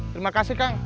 terima kasih kang